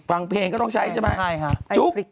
ฟังเพลงก็ต้องใช้ใช่ไหมใช่ค่ะ